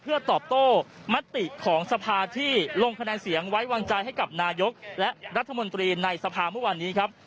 เพื่อตอบโต้มติของสภาที่ลงคะแนนเสียงไว้วางใจให้กับนายกและรัฐมนตรีในสภาเมื่อวานนี้ครับ